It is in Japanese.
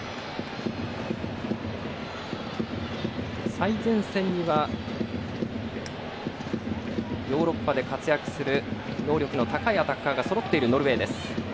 最前線にはヨーロッパで活躍する能力の高いアタッカーがそろっている、ノルウェーです。